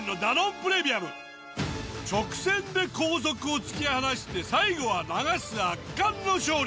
直線で後続を突き放して最後は流す圧巻の勝利。